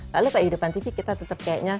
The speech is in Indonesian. lalu pada kehidupan tv kita tetap kayaknya